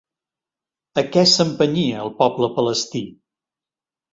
A què s'empenyia el poble palestí?